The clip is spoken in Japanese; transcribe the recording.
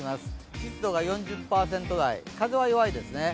湿度が４０％台、風は弱いですね。